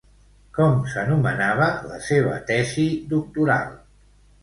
Com s'anomenava la seva tesi doctoral?